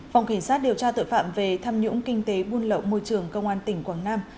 phòng cảnh sát điều tra tội phạm về tham nhũng kinh tế buôn lậu môi trường công an tỉnh quảng nam